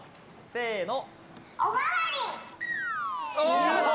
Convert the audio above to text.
せの。